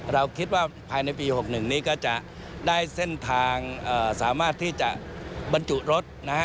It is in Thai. เราคิดว่าภายในปี๖๑นี้ก็จะได้เส้นทางสามารถที่จะบรรจุรถนะฮะ